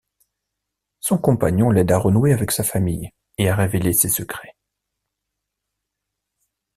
Son compagnon l'aide à renouer avec sa famille et à révéler ses secrets.